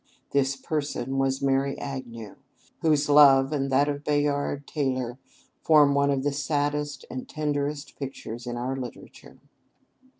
This "person" was Mary Agnew, whose love and that of Bayard Taylor form one of the saddest and tenderest pictures in our literature.